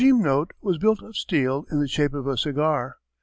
_] The Gymnote was built of steel in the shape of a cigar.